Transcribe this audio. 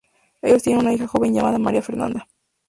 Ellos tienen una hija joven llamada María Fernanda.